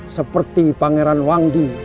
mencari pangeran wangdi